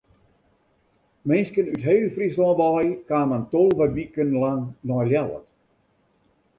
Minsken út heel Fryslân wei kamen tolve wiken lang nei Ljouwert.